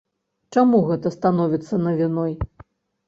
Чаму гэта становіцца навіной?